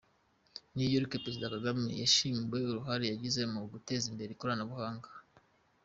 New York: Perezida Kagame yashimiwe uruhare yagize mu guteza imbere ikoranabuhanga.